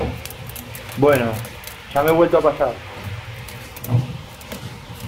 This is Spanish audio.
bueno, ya me he vuelto a pasar.